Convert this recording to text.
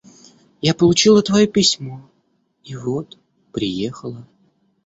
Я получила твое письмо и вот приехала.